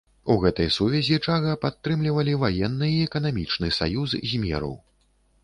У гэтай сувязі чага падтрымлівалі ваенны і эканамічны саюз з меру.